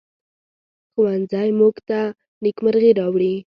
ښوونځی موږ ته نیکمرغي راوړي